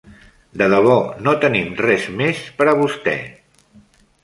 De debò, no tenim res més per a vostè.